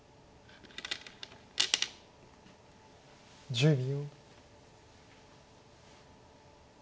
１０秒。